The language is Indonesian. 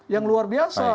yang luar biasa